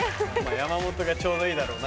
山本がちょうどいいだろうな。